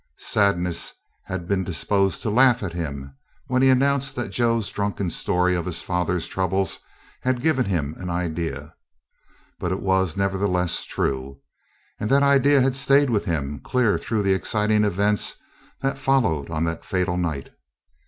Sadness had been disposed to laugh at him when he announced that Joe's drunken story of his father's troubles had given him an idea. But it was, nevertheless, true, and that idea had stayed with him clear through the exciting events that followed on that fatal night.